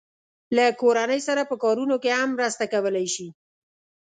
له کورنۍ سره په کارونو کې هم مرسته کولای شي.